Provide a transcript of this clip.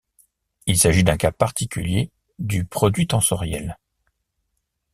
Il s'agit d'un cas particulier du produit tensoriel.